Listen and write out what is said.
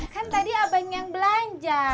kan tadi abang yang belanja